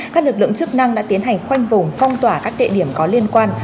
các lực lượng chức năng đã tiến hành khoanh vùng phong tỏa các địa điểm có liên quan